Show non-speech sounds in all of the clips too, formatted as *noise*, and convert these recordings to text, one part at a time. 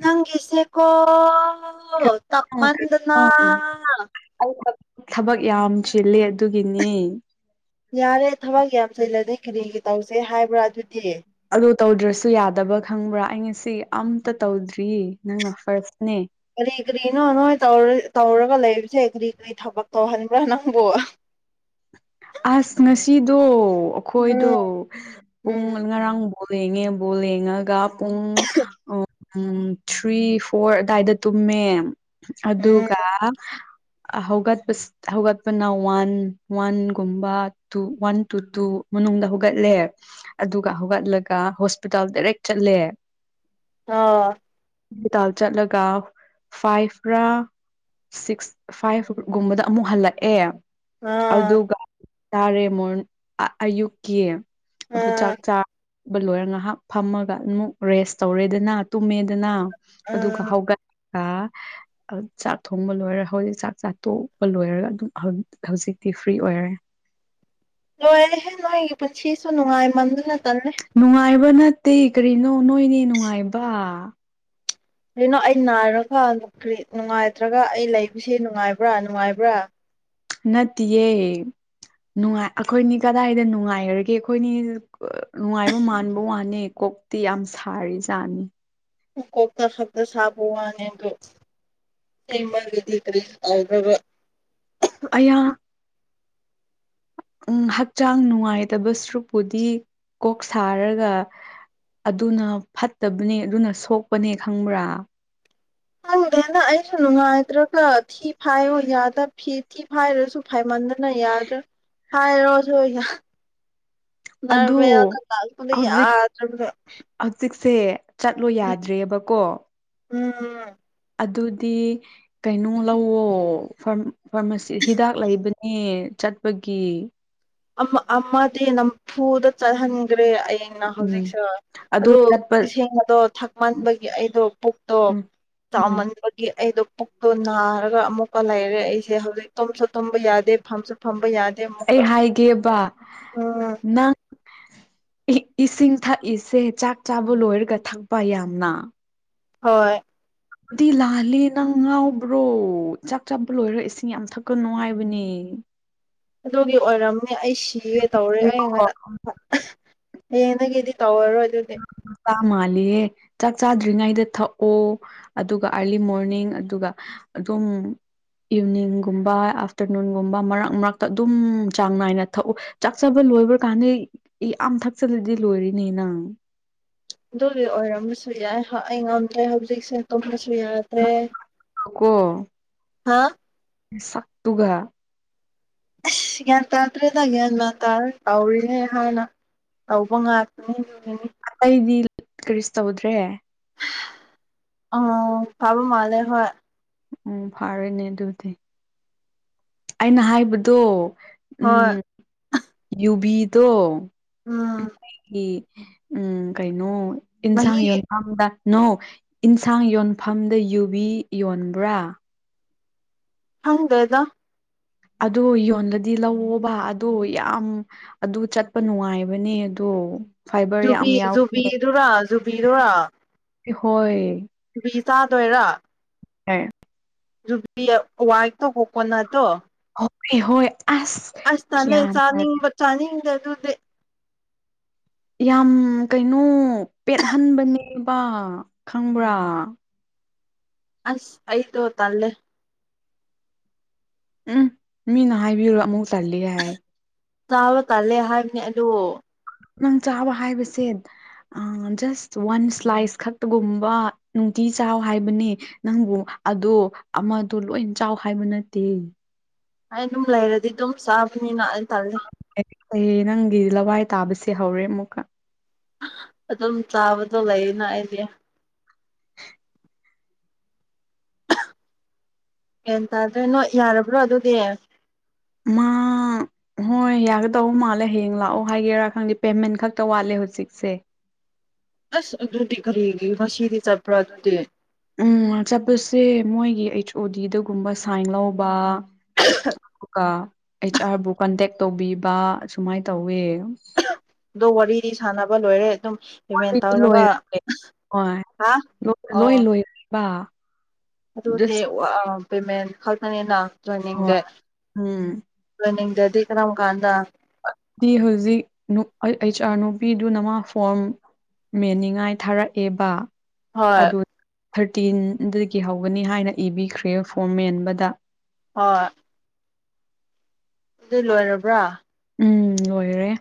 ꯅꯪꯒꯤꯦꯁꯦꯀꯣ ꯑꯣ ꯀꯔꯤꯅꯣ ꯇꯃꯗꯅꯥ ꯀꯔꯤꯅꯣ ꯑꯩ ꯊꯕꯛ ꯊꯕꯛ ꯌꯥꯝ ꯆꯤꯜꯂꯤ ꯑꯗꯨꯒꯤꯅꯦ ꯌꯥꯔꯦ ꯊꯕꯛ ꯌꯥꯝ ꯆꯂꯅꯤꯦ ꯀꯔꯤꯒꯤ ꯇꯧꯁꯦ ꯍꯥꯏꯕ꯭ꯔꯥ ꯑꯗꯨꯗꯤ ꯑ ꯇꯧꯗ꯭ꯔꯁꯨ ꯌꯥꯗꯕ ꯈꯪꯕ꯭ꯔꯥ ꯑꯩ ꯉꯁꯤ ꯑꯝꯇ ꯇꯧꯗ꯭ꯔꯤꯌꯦ ꯅꯪꯅ ꯐꯥꯔꯁꯅꯦ ꯀꯔꯤ ꯀꯔꯤꯅꯣ ꯅꯣꯏ ꯇꯧꯔꯒ ꯂꯩꯕꯁꯦ ꯀꯔꯤ ꯀꯔꯤ ꯊꯕꯛ ꯇꯧꯍꯟꯕ꯭ꯔꯥ ꯅꯪꯕꯨ ꯑꯁ ꯉꯁꯤꯗꯣ ꯑꯩꯈꯣꯏꯗꯣ ꯎꯝ ꯄꯨꯡ ꯎꯝ ꯉꯔꯥꯡ ꯣꯂꯉꯦ ꯣꯂꯦꯉꯒ ꯄꯨꯡ ꯑ ꯎꯝ ꯊ꯭ꯔꯤ ꯐꯣꯔ ꯑꯗꯨꯗꯥꯋꯥꯏꯗ ꯇꯨꯝꯃꯦ ꯎꯝ ꯑꯗꯨꯒ ꯑ ꯍꯒꯠꯕꯁ ꯍꯧꯒꯠꯕ ꯅ ꯋꯥꯟ ꯋꯥꯟꯒꯨꯝꯕ ꯇꯨ ꯋꯥꯟ ꯇꯨ ꯇꯨ ꯃꯅꯨꯡꯗ ꯍꯧꯒꯠꯂꯦ ꯑꯗꯨꯒ ꯍꯧꯒꯠꯂꯒ ꯍꯣꯁꯄꯤꯇꯥꯜ ꯗꯥꯏꯔꯦꯛ ꯆꯠꯂꯦ ꯑ ꯍꯣꯁꯄꯤꯇꯥꯜ ꯆꯠꯂꯒ ꯐꯥꯏꯐ꯭ꯔꯥ ꯁꯤꯛꯁ ꯐꯥꯏꯚꯒꯨꯝꯕꯗ ꯑꯃꯨꯛ ꯍꯜꯂꯛꯑꯦ ꯑꯥ ꯑꯗꯨꯒ ꯆꯥꯔꯦ ꯃꯣꯔ ꯑꯌꯨꯛꯀꯤ ꯑꯗꯨ ꯆꯥꯛ ꯑꯥ ꯆꯥ ꯕ ꯂꯣꯏꯔꯒ ꯉꯥꯏꯍꯥꯛ ꯐꯝꯃꯒ ꯑꯃꯨꯛ ꯔꯦꯁ ꯇꯧꯔꯦꯗꯅ ꯇꯨꯝꯃꯦꯗꯅ ꯑꯗꯨꯒ ꯑꯥ ꯍꯧꯒ ꯆꯥꯛ ꯊꯣꯡꯕ ꯂꯣꯏꯔ ꯍꯧꯖꯤꯛ ꯆꯥꯛ ꯆꯥ ꯇꯣꯛꯄ ꯂꯣꯏꯔꯒ ꯑꯗꯨꯝ ꯍꯧꯖꯤꯛ ꯐ꯭ꯔꯤ ꯑꯣꯏꯔꯔꯦ ꯂꯣꯏꯔꯦꯍꯦ ꯅꯣꯏꯒꯤ ꯄꯨꯟꯁꯤꯁꯨ ꯅꯨꯡꯉꯥꯏꯃꯟꯗꯨꯅ ꯅꯨꯡꯉꯥꯏꯕ ꯅꯠꯇꯦ ꯀꯔꯤꯅꯣ ꯅꯣꯏꯅꯦ ꯅꯨꯡꯉꯥꯏꯕ ꯀꯩꯅꯣ ꯑꯩ ꯅꯥꯏꯔꯒ ꯅꯨꯡꯉꯥꯏꯇ꯭ꯔꯒ ꯑꯩ ꯂꯩꯕꯁꯤꯦ ꯅꯨꯡꯉꯥꯏꯕ꯭ꯔꯥ ꯅꯨꯡꯉꯥꯏꯕ꯭ꯔꯥ ꯅꯠꯇꯦ ꯅꯨꯡꯉꯥꯏ ꯑꯩꯈꯣꯏꯅꯤ ꯀꯗꯥꯏꯗ ꯅꯨꯡꯉꯥꯏꯈꯔꯒꯦ ꯑꯩꯈꯣꯏꯅꯤ ꯅꯨꯡꯉꯥꯏꯕ ꯃꯥꯟꯕ ꯋꯥꯅꯤ ꯀꯣ ꯀꯣꯛꯇꯤ ꯌꯥꯝ ꯁꯥꯔꯤꯖꯥꯠꯅꯤ ꯍ ꯀꯣꯛꯇ ꯈꯛꯇꯛꯇ ꯁꯥꯕ ꯋꯥꯅꯦꯗ ꯁꯤꯃꯒꯗꯤ ꯀꯔꯤꯦ ꯑꯕ ꯑꯩꯅ ꯎꯝ ꯍꯛꯆꯥꯡ ꯅꯨꯡꯉꯥꯏꯇꯕ ꯁꯔꯨꯛꯄꯨꯗꯤ ꯀꯣꯛ ꯁꯥꯔꯒ ꯑꯗꯨꯅ ꯐꯠꯇꯕꯅꯦ ꯑꯗꯨꯅ ꯁꯣꯛꯄꯅꯦ ꯈꯪꯕ꯭ꯔꯥ ꯍꯪꯗꯦꯅ ꯑꯩꯁꯨ ꯅꯨꯡꯉꯥꯏꯇ꯭ꯔꯒ ꯊꯤ ꯐꯥꯏꯌꯣ ꯌꯥꯗꯕ ꯐꯤ ꯊꯤ ꯐꯥꯏꯔꯁꯨ ꯐꯥꯏꯃꯜ ꯆꯗꯅ ꯌꯥꯗ ꯐ ꯔꯣꯁ ꯍ ꯑꯗꯣ ꯉꯔꯃꯦ ꯌꯥ ꯑꯗꯨ ꯇꯜ ꯀ ꯌꯥꯗꯔꯃꯦ ꯁꯦ ꯆꯠꯂꯣ ꯌꯥꯗ꯭ꯔꯦꯕꯀꯣ ꯎꯝ ꯎꯝ ꯑꯗꯨꯗꯤ ꯀꯩꯅꯣ ꯂꯧꯋꯣ ꯐꯥꯔꯃꯥꯁꯤ ꯍꯤꯗꯥꯛ ꯂꯩꯕꯅꯤ ꯃꯤ ꯆꯠꯄꯒꯤ ꯑ ꯑꯃꯗꯤꯦ ꯅꯝ ꯄꯨꯗ ꯆꯍꯅꯤꯒ ꯦ ꯑꯌꯦꯡꯅ ꯎꯝ ꯍꯧꯖꯤꯛꯁꯦ ꯑꯗꯨ ꯏꯁꯤꯡꯗꯣ ꯊꯛꯃꯟꯕꯒꯤ ꯑꯩꯗꯣ ꯄꯨꯛꯇꯣ ꯎꯝ ꯎꯝ ꯆꯃꯟ ꯑꯩꯗ ꯄꯨꯛꯇꯣ ꯅꯥꯔꯒ ꯑꯃꯨꯛꯀ ꯂꯩꯔꯦ ꯑꯩꯁꯦ ꯍꯧꯖꯤꯛ ꯇꯨꯝꯁꯨ ꯇꯨꯝꯕ ꯌꯥꯗꯦ ꯐꯝꯁꯨ ꯐꯝꯕ ꯌꯥꯗꯦ ꯗꯃꯀ ꯒꯦꯕ ꯅꯪ ꯏꯁꯤꯡ ꯊꯛꯏꯁꯦ ꯆꯥꯛ ꯆꯥꯕ ꯂꯣꯏꯔꯒ ꯊꯛꯄ ꯌꯥꯝꯅ ꯍꯣꯏ ꯑꯗꯨꯗꯤ ꯂꯥꯂ ꯅꯪ ꯉꯥꯎꯕ꯭ꯔꯣ ꯆꯥꯛ ꯆꯥꯄ ꯂꯣꯏꯔ ꯏꯁꯤꯡ ꯌꯥꯝ ꯊꯛꯀ ꯅꯨꯡꯉꯥꯏꯕꯅꯦ ꯎ ꯑꯗꯨꯒꯤ ꯑꯣꯏꯔꯝꯅꯦ ꯑꯩ ꯁꯤꯒꯦ ꯇꯧꯔꯦ ꯍꯨꯏꯀꯣ ꯑꯩꯉꯗ ꯍꯌꯦꯡꯗꯒꯤꯗꯤ ꯇꯧꯔꯔꯣꯏ ꯑꯗꯨꯗꯤ ꯀꯃ ꯌꯦ ꯆꯥꯛ ꯆꯥꯗ꯭ꯔꯤꯉꯩꯗ ꯊꯛꯑꯣ ꯑꯗꯨꯒ ꯑꯥꯔꯂꯤ ꯃꯣꯔꯅꯤꯡ ꯑꯗꯨꯒ ꯑꯗꯨꯝ ꯎꯝ ꯏꯚꯅꯤꯡꯒꯨꯝꯕ ꯑꯥꯐꯇꯔꯅꯨꯟꯒꯨꯝꯕ ꯃꯔꯛ ꯃꯔꯛꯇ ꯑꯗꯨꯝ ꯆꯥꯡ ꯅꯥꯏꯅ ꯊꯛꯎ ꯆꯥꯛꯕ ꯂꯣꯏꯕ꯭ꯔ ꯀꯥꯟꯗ ꯌꯥꯝ ꯊꯛꯆꯜꯂꯗꯤ ꯂꯣꯏꯔꯤꯅꯦ ꯅꯪ ꯑꯗꯨꯗꯤ ꯑꯣꯏꯔꯝꯕꯁꯨ ꯌꯥꯏ ꯑꯩ ꯉꯝꯗ꯭ꯔꯦ ꯍꯧꯖꯤꯛꯁꯦ ꯌꯥꯗ꯭ꯔꯦ ꯍꯥꯥ ꯁꯠꯇꯨꯒ ꯌꯥ꯭ꯌꯥ ꯇꯥꯇ꯭ꯔꯦꯗ ꯭ꯟ ꯃꯥ ꯇꯥꯔ ꯇꯥꯎꯔꯤꯅꯦꯦ ꯍꯥꯟꯅ ꯇꯕ ꯉꯅꯦ ꯁꯤꯗꯤ ꯀꯔꯤꯁ ꯇꯧꯗ꯭ꯔꯦ ꯑꯣ ꯄꯕ ꯃꯥꯦ ꯍ ꯎꯝ ꯐꯥꯔꯦꯅꯦ ꯑꯗꯨꯗꯤ ꯑꯩꯅ ꯍꯥꯏꯕꯗꯣ ꯍꯣꯏ ꯎꯝ ꯌꯨꯕꯤꯗꯣ ꯎꯝ ꯑꯩꯒꯤ ꯎꯝ ꯀꯩꯅꯣ ꯏꯟꯁꯥꯡ ꯃꯍꯤ ꯌꯣꯟꯈꯝꯗ ꯅꯧ ꯏꯟꯁꯥꯡ ꯌꯣꯟꯐꯝꯗ ꯌꯨꯕꯤ ꯌꯣꯟꯕ꯭ꯔꯥ ꯍꯪꯗꯗ ꯑꯗꯨ ꯌꯣꯟꯗꯗꯤ ꯂꯧꯋꯣꯕ ꯑꯗ ꯌꯥꯝ ꯑꯗꯨ ꯆꯠꯄ ꯅꯨꯡꯉꯥꯏꯕꯅꯦ ꯑꯗꯣ ꯑꯣ ꯖꯨꯕꯤꯗꯨꯔ ꯖꯨꯕꯤꯗꯨꯔ ꯍꯣꯏ ꯆꯥꯗꯣꯏꯔꯥ ꯑ ꯔꯨꯕ ꯋꯥꯏ ꯇꯣ ꯍꯀꯣꯟꯅ ꯑꯗꯨꯣ ꯍꯣꯏ ꯍꯣꯏ ꯑꯁ ꯇꯅꯦ ꯒ꯭ꯌꯥꯟ ꯇꯥꯗꯦ ꯆꯥꯅꯤꯡꯕ ꯆꯥꯅꯤꯡꯗꯦ ꯑꯗꯨꯗꯤ ꯌꯥꯝ ꯀꯩꯅꯣ ꯄꯦꯠꯍꯟꯕꯅꯦꯕ ꯈꯪꯕ꯭ꯔꯥ ꯑꯁ ꯑꯥꯏ ꯇ ꯍ ꯇꯜꯦ ꯎꯝ ꯃꯤꯅ ꯍꯥꯏꯕꯤꯔꯣ ꯑꯃꯨꯛ ꯆꯜꯂꯤꯒꯦ ꯍꯥꯏ ꯇꯥꯕ ꯇꯥꯜꯂꯦ ꯍꯥꯏꯕꯅꯦ ꯑ ꯅꯪ ꯆꯥꯕ ꯍꯥꯏꯕꯁꯦ ꯑ ꯖꯁ ꯋꯥꯟ ꯁ꯭ꯂꯥꯏꯁ ꯈꯛꯇꯒꯨꯝꯕ ꯅꯨꯡꯇꯤ ꯆꯥꯎ ꯍꯥꯏꯕꯅꯦ ꯅꯪꯕꯨ ꯑꯗꯣ ꯑꯃꯗꯣ ꯂꯣꯏ ꯆꯥꯎ ꯍꯥꯏꯕ ꯅꯠꯇꯦ ꯑꯩ ꯑꯗꯨꯝ ꯂꯩꯔꯗꯤ ꯑꯗꯨꯝ ꯆꯥꯕꯅꯤꯅ ꯇꯜꯂꯦ ꯍ ꯅꯪꯒꯤ ꯂꯋꯥꯏ ꯇꯥꯕꯁꯦ ꯍꯧꯔꯦ ꯑꯃꯨꯛꯀ ꯑꯗꯨꯝ ꯆꯥꯕꯗꯣ ꯂꯩꯅ ꯑꯩꯗꯤ ꯍꯌꯥꯟ ꯇꯥꯗ꯭ꯔꯦ ꯅꯣ ꯌꯥꯔꯕ꯭ꯔꯣ ꯑꯗꯨꯗꯤ ꯃꯥ ꯍꯣꯏ ꯌꯥꯒꯗꯧ ꯃꯥꯜꯂꯦ ꯍꯌꯦꯡ ꯂꯥꯛꯑꯣ ꯍꯥꯏꯒꯦꯔꯥ ꯈꯪꯗꯦ ꯄꯦꯃꯦꯟ ꯈꯛꯇ ꯋꯥꯠꯂꯦ ꯍꯧꯖꯤꯛꯁꯦ *inaudible* ꯑꯁ ꯑꯗꯨꯗꯤ ꯀꯔꯤꯒꯤ ꯉꯁꯤꯗꯤ ꯆꯠꯄ꯭ꯔꯥ ꯑꯗꯨꯗꯤ ꯎꯝ ꯆꯠꯄꯁꯦ ꯃꯣꯏꯒꯤ ꯑꯩꯆ ꯑꯣ ꯗꯤꯗꯒꯨꯝꯕ ꯁꯥꯏꯟ ꯂꯧꯕ ꯑꯗꯨꯒ ꯑꯩꯆ ꯑꯥꯔꯕꯨ ꯀꯟꯇꯦꯛ ꯇꯧꯕꯤꯕ ꯁꯨꯃꯥꯏꯅ ꯇꯧꯋꯦ ꯑꯗꯣ ꯋꯥꯔꯤꯗꯤ ꯁꯥꯟꯅꯕ ꯂꯣꯏꯔꯦ ꯑꯗꯨꯝ ꯄꯦꯃꯦꯟ ꯃꯥꯗꯤ ꯇꯧꯔꯒ ꯂꯣꯏꯔꯦ ꯍꯣꯏ ꯍꯥ ꯑꯣ ꯂꯣꯏ ꯂꯣꯏꯔꯦꯕ ꯑꯗꯨꯗꯤ ꯖꯁ ꯄꯦꯃꯦꯟ ꯈꯛꯇꯅꯤꯅ ꯍꯣꯏ ꯇꯦꯟꯅꯤꯡꯗ ꯎꯝ ꯇꯋꯦꯟꯅꯤꯡꯗꯗꯤ ꯀꯔꯝ ꯀꯥꯟꯗ ꯍꯧꯖꯤꯛ ꯑꯩꯆ ꯑꯥꯔ ꯅꯨꯄꯤꯗꯨ ꯅꯃ ꯐꯣꯔꯝ ꯃꯦꯟꯅꯤꯡꯉꯥꯏ ꯊꯥꯔꯛꯑꯦꯕ ꯍꯣꯏ ꯑꯗꯨ ꯊꯥꯔꯇꯤꯟꯗꯒꯤ ꯍꯧꯒꯅꯤ ꯍꯥꯏꯅ ꯏꯕꯤꯈ꯭ꯔꯦ ꯐꯣꯔꯝ ꯃꯦꯟꯕꯗ ꯍ ꯑꯗꯨ ꯂꯣꯏꯔꯕ꯭ꯔꯥ ꯎꯝ ꯂꯣꯏꯔꯦ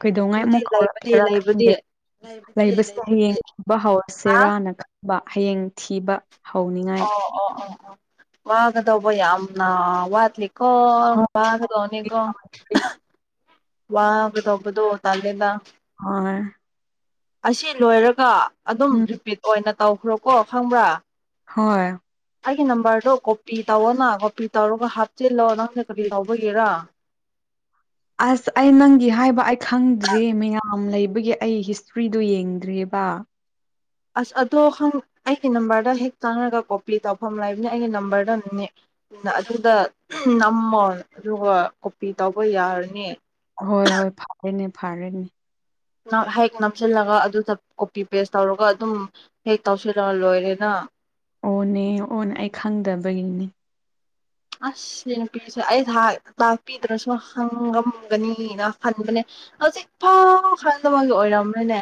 ꯀꯩꯗꯧꯉꯥꯏ ꯑꯗꯨꯗꯤ ꯑꯃꯨꯛ ꯂꯩꯕꯗꯤ ꯍꯧꯥꯎꯔꯛꯀꯦꯔꯥ ꯂꯩꯕꯗꯤ ꯈꯪꯗꯦ ꯂꯩꯕꯗꯤ ꯂꯩꯕꯁꯤꯗ ꯂꯩꯕꯗꯤ ꯍꯌꯦꯡꯕ ꯍꯧꯥꯎꯔꯁꯦ ꯍꯥ ꯔꯥꯅ ꯈꯪꯕ ꯍꯌꯦꯡ ꯊꯤꯕ ꯍꯧꯅꯤꯡꯉꯥꯏ ꯑꯣ ꯑꯣ ꯑꯣ ꯑꯣ ꯋꯥꯒꯗꯧꯕ ꯌꯥꯝꯅ ꯋꯥꯠꯂꯤ ꯍꯣꯏ ꯀꯣꯔꯣꯅꯤ ꯀꯣ ꯋꯥꯕꯗꯣꯕꯗꯣ ꯇꯗꯦꯗ ꯍꯣꯏ ꯑꯁꯤ ꯂꯣꯏꯔꯒ ꯑꯗꯨꯝ ꯎꯝ ꯔꯤꯄꯤꯠ ꯑꯣꯏꯅ ꯇꯧꯈ꯭ꯔꯣꯀꯣ ꯈꯪꯕ꯭ꯔꯥ ꯍꯣꯏ ꯑꯩꯒꯤ ꯅꯝꯕꯔꯗꯣ ꯀꯣꯄꯤ ꯇꯧꯅ ꯀꯣꯄꯤ ꯇꯧꯔꯒ ꯍꯥꯞꯆꯤꯜꯂꯣ ꯅꯪꯅ ꯀꯔꯤ ꯂꯧꯕꯒꯦꯔ ꯑꯁ ꯑꯩ ꯅꯪꯒꯤ ꯍꯥꯏꯕ ꯑꯩ ꯈꯪꯗ꯭ꯔꯔꯤ ꯃꯌꯥꯝ ꯂꯩꯕ ꯑꯗꯨꯒꯤ ꯑꯩ ꯍꯤꯁꯇ꯭ꯔꯤꯗꯨꯣ ꯌꯦꯡꯗ꯭ꯔꯤꯦꯕ ꯑꯁ ꯑꯗꯣ ꯍꯪ ꯑꯩꯒꯤ ꯅꯝꯕꯔꯗ ꯍꯦꯛ ꯆꯪꯉꯒ ꯀꯣꯄꯤ ꯇꯧꯐꯝ ꯂꯩꯕꯅꯤ ꯑꯩꯒꯤ ꯅꯝꯕꯔꯗꯅꯦ ꯑꯗꯨꯗ ꯅꯝꯃꯣ ꯑꯗꯨꯒ ꯀꯣꯄꯤ ꯇꯧꯕ ꯌꯥꯔꯅꯤ ꯍꯣꯏ ꯍꯣꯏ ꯐꯔꯦꯅꯦ ꯐꯔꯦꯅꯦ ꯍꯦꯛ ꯅꯝꯁꯤꯜꯂꯒ ꯑꯗꯨꯗ ꯀꯣꯄꯤ ꯄꯦꯁ ꯇꯧꯔꯒ ꯑꯗꯨꯝ ꯍꯦꯛ ꯇꯧꯁꯤꯜꯂꯒ ꯂꯣꯏꯔꯦꯅ ꯑꯣꯅꯦ ꯑꯣꯅꯦ ꯑꯩ ꯈꯪꯗꯕꯒꯤꯅꯦ ꯑꯁ ꯅꯨꯄꯤꯁꯦ ꯑꯩꯁ ꯇꯥꯛꯄꯤꯗꯨꯅꯁꯨ ꯍꯪꯉꯝꯒꯅꯤꯅ ꯈꯟꯕꯅꯦ ꯍꯧ ꯏꯐꯥꯎ ꯍꯗ ꯃꯥꯒꯤ ꯑꯣꯏꯔꯝꯅꯤꯅꯦ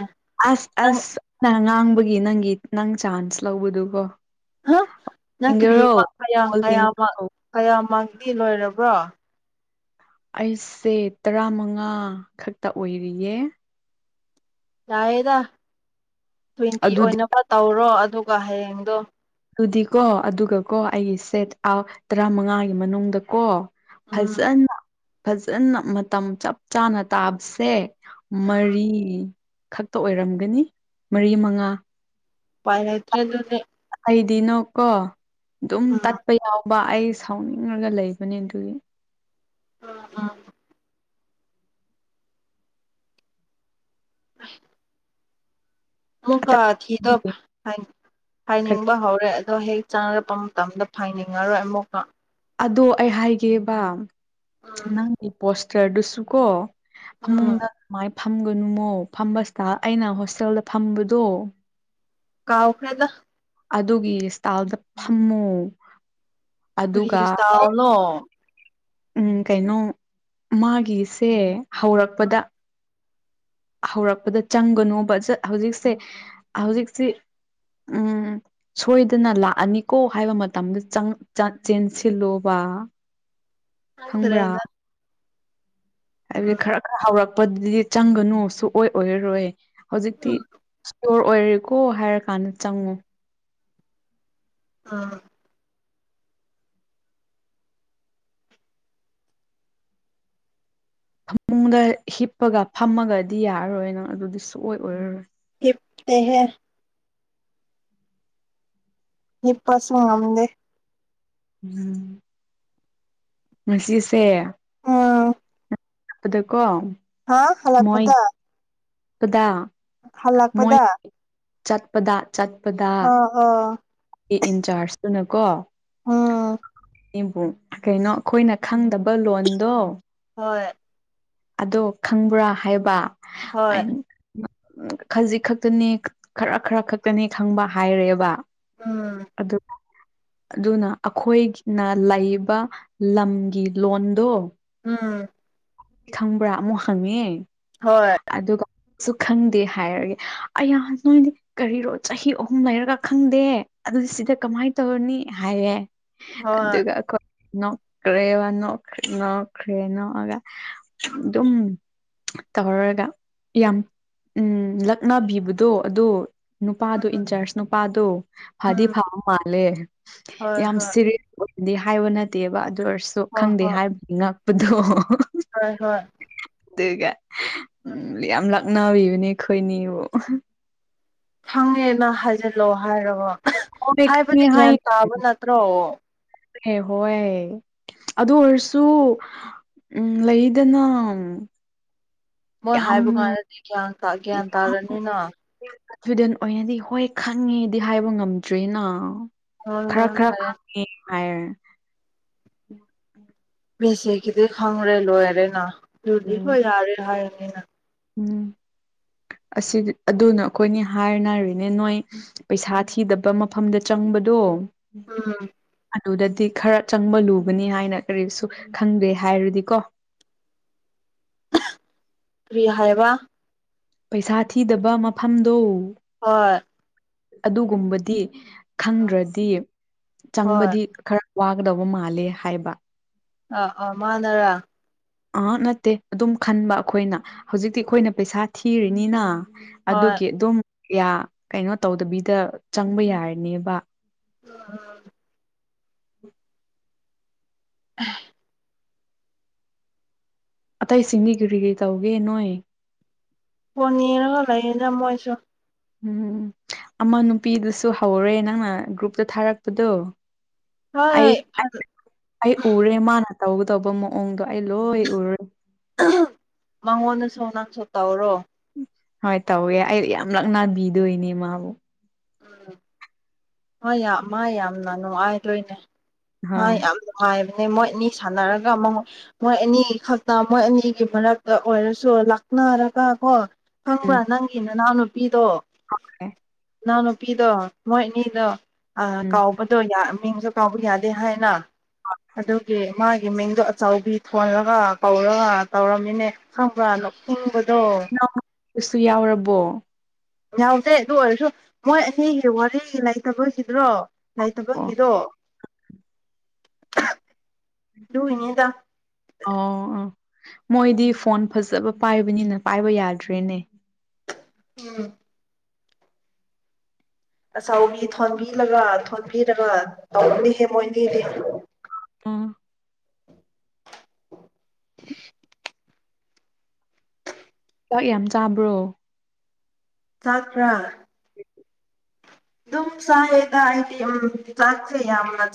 ꯑꯁ ꯑꯁ ꯅꯪ ꯉꯥꯡꯕꯒꯤ ꯅꯪꯒꯤ ꯅꯪ ꯆꯥꯟꯁ ꯂꯧꯕꯗꯨꯀꯣ ꯑ ꯅ ꯁꯤꯡꯒꯔꯣ ꯀ꯭ꯔꯔꯤꯃꯌꯥꯌꯥꯝꯃ ꯀꯌꯥꯝꯃ ꯂꯣꯏꯔꯕ꯭ꯔꯣ ꯑꯩꯁꯦ ꯇꯔꯥꯃꯉꯥ ꯈꯛꯇ ꯑꯣꯏꯔꯤꯌꯦ ꯌꯥꯑꯦꯗ ꯇ꯭ꯋꯦꯟꯇꯤ ꯑꯗꯨꯗꯤ ꯑꯣꯏꯅꯕ ꯇꯧꯔꯣ ꯑꯗꯨꯒ ꯍꯌꯦꯡꯗꯣ ꯑꯗꯨꯗꯤꯀꯣ ꯑꯗꯨꯒ ꯀꯣ ꯑꯩꯒꯤ ꯁꯦꯠ ꯑ ꯇꯔꯥꯃꯉꯥꯒꯤ ꯃꯅꯨꯡꯗꯀꯣ ꯎꯝ ꯐꯖꯅ ꯐꯖꯅ ꯃꯇꯝ ꯆꯞ ꯆꯥꯅ ꯇꯥꯕꯁꯦ ꯃꯔꯤ ꯈꯛꯇ ꯑꯣꯏꯔꯝꯒꯅꯤ ꯃꯔꯤ ꯃꯉꯥ ꯄꯥꯏꯅ ꯏꯠꯇꯦ ꯑꯗꯨ ꯑꯩꯗꯤꯅꯣ ꯀꯣ ꯑꯗꯨꯝ ꯎꯝ ꯇꯠꯄ ꯌꯥꯎꯋꯦ ꯕꯥ ꯑꯩ ꯁꯥꯎꯅꯤꯡꯉꯒ ꯂꯩꯕꯅꯦ ꯑꯗꯨꯒꯤ ꯑ ꯑ ꯑ ꯑꯃꯨꯛꯀ ꯑꯇꯩ ꯊꯤꯗ ꯍꯥꯏꯅꯤꯡꯕ ꯍꯧꯔꯦ ꯑꯗꯣ ꯍꯦꯛ ꯆꯥꯅꯔꯛꯄ ꯃꯇꯝꯗ ꯐꯥꯏꯅꯤꯡꯉꯔꯣꯏ ꯑꯃꯨꯛꯀ ꯑꯗꯣ ꯑꯩ ꯍꯥꯏꯒꯦꯕ ꯅꯪꯒꯤ ꯄꯣꯁꯇꯔꯗꯨꯁꯨ ꯀꯣ ꯑꯃꯨꯡꯒ ꯃꯥꯏ ꯐꯝꯒꯅꯨꯃꯣ ꯐꯕꯁꯤꯗ ꯑꯩꯅ ꯍꯣꯁꯇꯦꯜꯗ ꯐꯝꯕꯗꯣ ꯀꯥꯎ ꯑꯣꯈꯔꯦꯗ ꯑꯗꯨꯒꯤ ꯏꯁꯇꯥꯜꯗ ꯐꯝꯃꯨ ꯑꯗꯨꯒ ꯐꯔꯤꯁ ꯇꯥꯎꯅꯣ ꯎꯝ ꯀꯩꯅꯣ ꯃꯥꯒꯤꯁꯦ ꯍꯧꯔꯛꯄꯗ ꯍꯧꯔꯛꯄꯗ ꯆꯪꯒꯅꯣꯕ ꯍꯧꯖꯤꯛꯁꯦ ꯍꯧꯖꯤꯛꯁꯤ ꯎꯝ ꯁꯣꯏꯗꯅ ꯂꯥꯛꯑꯅꯤꯀꯣ ꯍꯥꯏꯕ ꯃꯇꯝꯗ ꯆꯦꯟꯁꯤꯜꯂꯣꯕ *inaudible* ꯈꯪꯕ꯭ꯔꯥ ꯑꯗꯨ꯭ꯔꯦꯗ ꯍꯥꯏꯕꯗꯤ ꯈꯔ ꯈꯔ ꯍꯧꯔꯛꯄꯗꯨꯗꯤ ꯆꯪꯒꯅꯨ ꯁꯑꯣ ꯑꯣꯏꯔꯔꯣꯏ ꯍꯧꯖꯤꯛꯇꯤ ꯏꯁꯇꯣꯔ ꯑꯣꯏꯔꯦꯀꯣ ꯍꯥꯏꯔꯀꯥꯟꯗ ꯆꯪꯉꯨ ꯑꯥ ꯐꯃꯨꯡꯗ ꯍꯤꯞꯄꯒ ꯐꯝꯃꯒꯗꯤ ꯌꯥꯔꯔꯣꯏ ꯅꯪ ꯑꯗꯨꯗꯤ ꯁꯨꯡꯑꯣꯏ ꯑꯣꯏꯔꯔꯣꯏ ꯠꯇ ꯍ ꯏ ꯄ ꯁ ꯉꯝꯗꯦ ꯎꯝ ꯃꯁꯤꯁꯦ ꯑꯥ ꯑꯗꯀꯣ ꯍꯥꯥ ꯍꯂꯥꯛꯄꯗ ꯈꯨꯗꯥ ꯍꯜꯂꯛꯄꯗ ꯆꯠꯄꯗ ꯆꯠꯄꯗ ꯑ ꯑ ꯏꯟꯆꯥꯔꯖꯇꯨꯅꯀꯣ ꯎꯝ ꯀꯩꯅꯣ ꯑꯩꯈꯣꯏꯅ ꯈꯪꯗꯕ ꯂꯣꯟꯗꯣ ꯍꯣꯏ ꯑꯗꯣ ꯈꯪꯕ꯭ꯔꯥ ꯍꯥꯏꯕ ꯑ ꯍꯣꯏ ꯎ ꯈꯖꯤꯛ ꯈꯛꯇꯅꯤ ꯈꯔ ꯈꯔ ꯈꯛꯇꯅꯤ ꯈꯪꯕ ꯍꯥꯏꯔꯦꯕ ꯎꯝ ꯑꯗꯨꯗ ꯑꯗꯨꯅ ꯑꯩꯈꯣꯏꯅ ꯂꯩꯕ ꯂꯝꯒꯤ ꯂꯣꯟꯗꯣ ꯎꯝ ꯈꯪꯕ꯭ꯔꯥ ꯑꯃꯨꯛ ꯍꯪꯉꯤꯦ ꯍꯣꯏ ꯁꯨ ꯈꯪꯗꯦ ꯍꯥꯏꯔꯒꯦ ꯑꯍ ꯅꯣꯏꯗꯤ ꯀꯔꯤꯔꯣ ꯆꯍꯤ ꯑꯍꯨꯝ ꯂꯩꯔꯒ ꯈꯪꯗꯦ ꯑꯗꯨꯗꯤ ꯁꯤꯗ ꯀꯃꯥꯏꯅ ꯇꯧꯔꯅꯤ ꯍꯥꯏꯌꯦꯦ ꯍꯣꯏ ꯑꯗꯨꯒꯣꯏ ꯅꯣꯛꯈ꯭ꯔꯦ ꯋꯥ ꯅꯣꯛꯈ꯭ꯔꯦ ꯅꯣꯛꯈ꯭ꯔꯦ ꯅꯣꯛꯑꯒ ꯑꯗꯨ ꯑꯗꯨꯝ ꯇꯧꯔꯒ ꯌꯥꯝ ꯎ ꯂꯛꯅꯕꯤꯕꯗꯣ ꯑꯗ ꯅꯨꯄꯥꯗꯣ ꯏꯟꯆꯥꯔꯖ ꯅꯨꯄꯥꯗꯣ ꯐꯗꯤ ꯎꯝ ꯐꯕ ꯃꯥꯜꯂꯦ ꯍꯣꯏ ꯌꯥꯝ ꯍꯣꯏ ꯁꯤꯔꯤꯁ ꯗꯤ ꯍꯥꯏꯕ ꯅꯠꯇꯦꯕ ꯑꯗꯨ ꯑꯣꯏꯔꯁꯨ ꯍꯣꯏ ꯈꯪꯗꯦ ꯍꯣꯏ ꯍꯥꯏꯕꯗꯤ ꯉꯛꯄꯗꯣ ꯍꯣꯏ ꯍꯣꯏ ꯑꯗꯨꯒ ꯎꯝ ꯌꯥꯝ ꯂꯛꯅꯔꯤꯕꯅꯦ ꯑꯩꯈꯣꯏꯅꯤꯕꯨ ꯐꯪꯉꯦꯅ ꯍꯥꯏꯖꯤꯜꯂꯛꯑꯣ ꯍꯥꯏꯔꯕꯣ ꯍꯣꯏ ꯈꯪꯉꯦ ꯍꯥꯏꯕꯗꯤ ꯒ꯭ꯌꯥꯟ ꯇꯥꯕ ꯅꯠꯇ꯭ꯔꯣ ꯍ ꯍ ꯑꯗꯨ ꯑꯣꯏꯔꯁꯨ ꯎꯝ ꯂꯩꯗꯅ ꯃꯣꯏ ꯌꯥꯝ ꯍꯥꯏꯕ ꯀꯥꯟꯗꯗꯤ ꯒ꯭ꯌꯥꯟ ꯒ꯭ꯌꯥꯟ ꯇꯥꯔꯅꯤꯅ ꯏꯁꯇꯨꯗꯦꯟ ꯑꯣꯏꯅꯗꯤ ꯍꯣꯏ ꯈꯪꯉꯦꯗꯤ ꯍꯥꯏꯕ ꯉꯝꯗ꯭ꯔꯤꯅ ꯑ ꯍ ꯐꯔꯦ ꯑ ꯄꯦꯁꯦꯒꯤꯗꯤ ꯈꯪꯔꯦ ꯂꯣꯏꯔꯦꯅꯗꯤ ꯎꯝ ꯍꯣꯏ ꯌꯥꯔꯦ ꯍꯥꯏꯅꯤꯅ ꯎꯝ ꯑꯁꯤꯗꯤ ꯑꯗꯨꯅ ꯑꯩꯈꯣꯏꯅꯤ ꯍꯥꯏꯅꯔꯤꯅꯦ ꯅꯣꯏ ꯄꯩꯁꯥ ꯊꯤꯗꯕ ꯃꯐꯝꯗ ꯆꯪ ꯍꯝꯕꯗꯣ ꯑꯥ ꯑꯗꯨꯗꯗꯤ ꯈꯔ ꯆꯪꯕ ꯂꯨꯕꯅꯤ ꯍꯥꯏꯅ ꯀꯔꯤꯁꯨ ꯈꯪꯗꯦ ꯍꯥꯏꯔꯗꯤꯀꯣ *inaudible* ꯀ꯭ꯔꯤ ꯍꯥꯏꯌꯦꯕ ꯄꯩꯁꯥ ꯊꯤꯗꯕ ꯃꯐꯝꯗꯣ ꯍꯣꯏ ꯑꯗꯨꯒꯨꯝꯕꯗꯤ ꯈꯪꯗ꯭ꯔꯗꯤ ꯍꯣꯏ ꯆꯪꯕꯗꯤ ꯈꯔ ꯋꯥꯒꯗꯧꯕ ꯃꯥꯂꯦ ꯍꯥꯏꯕ ꯑ ꯑ ꯃꯥꯅꯔ ꯑꯥ ꯅꯠꯇꯦ ꯑꯗꯨꯝ ꯈꯟꯕ ꯑꯩꯈꯣꯏꯅ ꯍꯧꯖꯤꯛꯇꯤ ꯑꯩꯈꯣꯏꯅ ꯄꯩꯁꯥ ꯊꯤꯔꯤꯅꯤꯅ ꯍꯣꯏ ꯑꯗꯨꯒꯤ ꯑꯗꯨꯝ ꯀꯩꯅꯣ ꯇꯧꯗꯕꯤꯗ ꯆꯪꯕ ꯌꯥꯔꯅꯦꯕ ꯑꯣ ꯍ *unintelligible* ꯑ ꯑꯇꯩꯁꯤꯡꯗꯤ ꯀꯔꯤ ꯀꯔꯤ ꯇꯧꯒꯦ ꯅꯣꯏ ꯄꯅꯤꯔꯒ ꯂꯩꯌꯦꯗ ꯃꯣꯏꯁꯨ ꯎꯝ ꯑꯃ ꯅꯨꯄꯤꯗꯨꯁꯨ ꯍꯧꯔꯦ ꯅꯪꯅ ꯒ꯭ꯔꯨꯞꯇ ꯊꯥꯔꯛꯄꯗꯣ ꯍꯣꯏ ꯑꯩ ꯑꯩ ꯎꯔꯦ ꯃꯥꯅ ꯇꯧꯒꯗꯧꯕ ꯃꯑꯣꯡꯗꯣ ꯑꯩ ꯂꯣꯏ ꯎꯔꯨꯔꯦ ꯃꯉꯣꯟꯗꯁꯨ ꯅꯪꯁꯨ ꯇꯧꯔꯣ ꯍꯣꯏ ꯇꯧꯋꯦ ꯑꯩ ꯌꯥꯝ ꯂꯛꯅꯕꯤꯗꯣꯏꯅꯦ ꯃꯥꯕꯨ ꯎꯝ ꯃꯥ ꯌꯥꯝꯅ ꯅꯨꯡꯉꯥꯏꯗꯣꯏꯅꯦ ꯍ ꯍꯣꯏ ꯌꯥꯝ ꯃꯣꯏ ꯑꯅꯤ ꯁꯥꯟꯅꯔꯒ ꯃꯣꯏ ꯑꯅꯤ ꯈꯛꯇ ꯃꯣꯏ ꯑꯅꯤꯒꯤ ꯃꯔꯛꯇ ꯑꯣꯏꯔꯁꯨ ꯂꯥꯛ ꯅꯥꯔꯒ ꯀꯣ ꯈꯪꯕ꯭ꯔꯥ ꯅꯪꯒꯤ ꯅꯅꯥꯎꯅꯨꯄꯤꯗꯣ ꯑꯣꯦ ꯏꯅꯥꯎꯅꯨꯄꯤꯗꯣ ꯃꯣꯏꯅꯤꯗꯣ ꯎꯝ ꯀꯥꯎꯕꯗꯣ ꯃꯤꯡꯁꯨ ꯀꯥꯎꯕ ꯌꯥꯗꯦ ꯍꯥꯏꯅ ꯑꯗꯀꯦ ꯃꯥꯒꯤ ꯃꯤꯡꯗꯣ ꯑꯆꯥꯎꯕꯤ ꯊꯣꯜꯂꯒ ꯀꯧꯔꯒ ꯇꯧꯔꯝꯃꯤꯅꯦ ꯈꯪꯕ꯭ꯔꯥꯅꯕ ꯅꯁꯨ ꯌꯥꯎꯔꯕꯣ ꯌꯥꯎꯗꯦ ꯑꯗꯨ ꯑꯣꯏꯔꯁꯨ ꯃꯣꯏ ꯑꯅꯤꯒꯤ ꯋꯥꯔꯤ ꯂꯩꯇꯕꯒꯤꯗ꯭ꯔꯣ ꯑꯣ ꯂꯩꯇꯕꯒꯤꯗꯣ *inaudible* ꯂꯨꯏꯅꯤꯗ ꯑꯣ ꯑꯣ ꯃꯣꯏꯗꯤ ꯐꯣꯟ ꯐꯖꯕ ꯄꯥꯏꯕꯅꯤꯅ ꯄꯥꯏꯕ ꯌꯥꯗ꯭ꯔꯦꯅꯦ ꯎꯝ ꯑꯆꯥꯎꯕꯤ ꯊꯣꯟꯕꯤꯔꯒ ꯊꯣꯟꯕꯤꯔꯒ ꯇꯧꯕꯅꯦꯍꯦ ꯃꯣꯏꯒꯤꯗꯤ ꯑꯥ *unintelligible* ꯆꯥꯛ ꯌꯥꯝ ꯆꯥꯕ꯭ꯔꯣ ꯆꯥꯛꯇ꯭ꯔꯥ ꯙ ꯁ ꯌꯦꯗ ꯏ ꯑꯝ ꯆꯥꯆꯌꯥꯃ